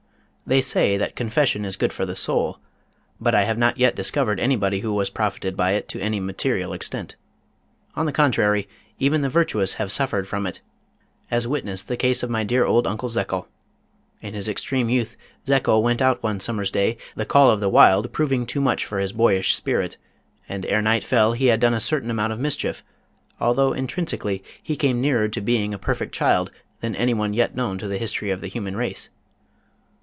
They say that confession is good for the soul, but I have not yet discovered anybody who was profited by it to any material extent. On the contrary, even the virtuous have suffered from it, as witness the case of my dear old Uncle Zekel. In his extreme youth Zekel went out one summer's day, the call of the wild proving too much for his boyish spirit, and ere night fell had done a certain amount of mischief, although intrinsically he came nearer to being a perfect child than anyone yet known to the history of the human race.